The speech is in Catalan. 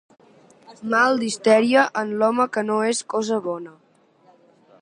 Mal d'histèria en l'home no és cosa bona.